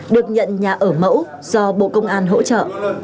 được nhận nhà ở mẫu do bộ công an hỗ trợ